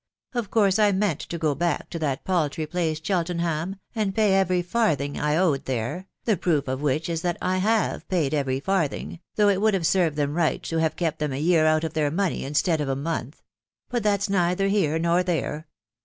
Of course, I meant to go back to that paltry place, Cheltenham, and nav^ every farthing I owed there, the proof of >ift&^\%,S&»X"V't*»» c c 3 390 Xn WIDOW BAB1TABY. • paid erery farthing, though it would hare serred them right .Is* have kept them a year out of their money, instead' of a nonfat £.... but that's neither here nor there